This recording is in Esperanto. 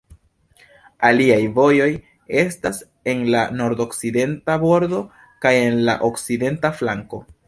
Aliaj vojoj estas en la nordokcidenta bordo kaj en la okcidenta flanko.